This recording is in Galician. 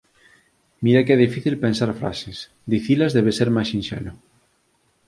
Mira que é difícil pensar frases, dicilas debe ser máis sinxelo.